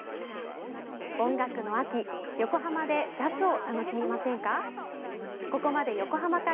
音楽の秋、横浜でジャズを楽しみませんか？